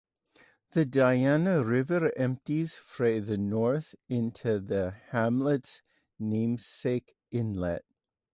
The Diana River empties from the north into the hamlet's namesake inlet.